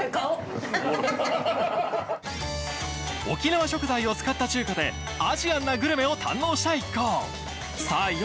沖縄食材を使った中華でアジアンなグルメを堪能した一行さあ